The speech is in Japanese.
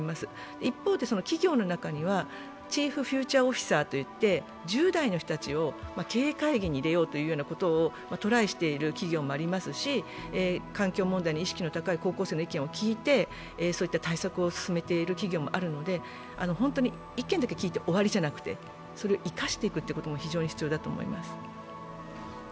一方、企業の中にはチーフフューチャーオフィサーといって１０代の人たちを経営会議に入れようということをトライしている企業もありますし、環境問題に意識の高い高校生の意見を聞いて、そういった対策を進めている企業もあるので、本当に意見だけ聞いて終わりじゃなくてそれを生かしていくことも非常に必要だと思います。